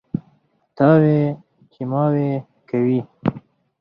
تاوې چې ماوې کوي.